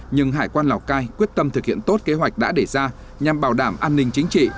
nhưng hải quan lào cai quyết tâm thực hiện tốt kế hoạch đã để ra nhằm bảo đảm an ninh chính trị